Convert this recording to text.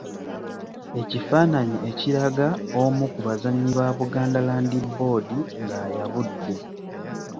Ekifaananyi ekiraga omu ku bazannyi ba Buganda Land Board nga ayabudde.